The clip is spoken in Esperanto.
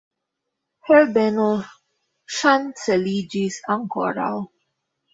Herbeno ŝanceliĝis ankoraŭ.